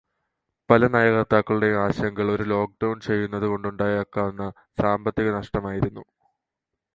പല നയകര്ത്താക്കളുടെയും ആശങ്കകൾ ഒരു ലോക്ക്ഡൗണ് ചെയ്യുന്നത് കൊണ്ട് ഉണ്ടായേക്കാവുന്ന സാമ്പത്തികനഷ്ടം ആയിരുന്നു.